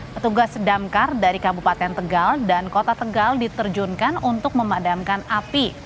petugas damkar dari kabupaten tegal dan kota tegal diterjunkan untuk memadamkan api